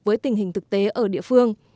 với tình hình thực tế ở địa phương